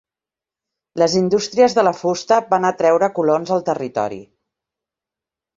Les indústries de la fusta van atreure colons al territori.